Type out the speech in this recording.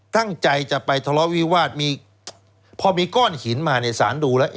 ตั้งใจจะไปทะเลาะวิวาสมีพอมีก้อนหินมาเนี่ยสารดูแล้ว